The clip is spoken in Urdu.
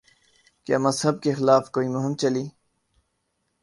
کیا مذہب کے خلاف کوئی مہم چلی؟